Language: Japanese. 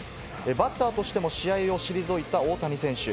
バッターとしても試合を退いた大谷選手。